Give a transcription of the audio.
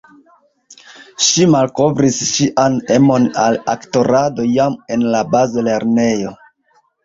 Ŝi malkovris ŝian emon al aktorado jam en la bazlernejo.